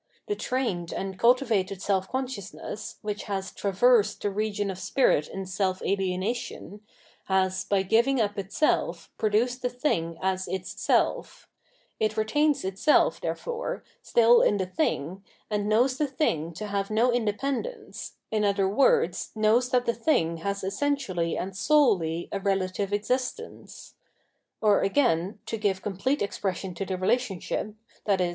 The trained and cultivated self consciousness, which has traversed the region of spirit in self ahenation, has, by giving up itself, produced the thing as its self ; it retains itself, therefore, still in the thing, and knows the rbing to have no independence, in other words knows that the thing has essentially and solely a relative existence. Or again — to give complete expression to the relationship, i.e.